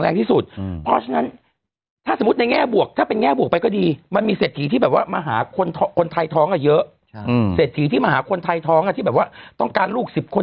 แล้วถ้าผู้หญิงกลับมาก็เลยเด็กเอาไว้ที่นู่น